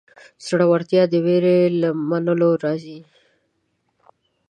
زړورتیا د وېرې له منلو راځي.